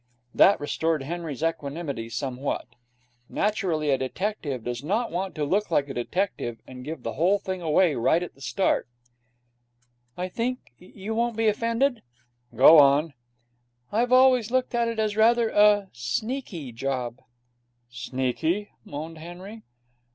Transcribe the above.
This restored Henry's equanimity somewhat. Naturally a detective does not want to look like a detective and give the whole thing away right at the start. 'I think you won't be offended?' 'Go on.' 'I've always looked on it as rather a sneaky job.' 'Sneaky!' moaned Henry.